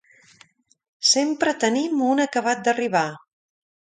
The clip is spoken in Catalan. Sempre tenim un acabat d'arribar.